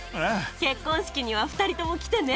結婚式には２人とも来てね。